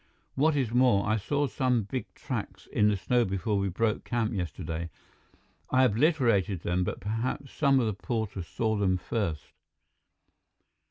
What is more, I saw some big tracks in the snow before we broke camp yesterday. I obliterated them, but perhaps some of the porters saw them first."